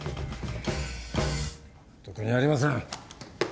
特にありません。